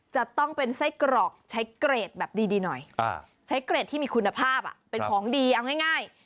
จะต้องเป็นไส้กรอกใช้เกรดแบบดีหน่อยใช้เกรดที่มีคุณภาพเป็นของดีเอาง่าย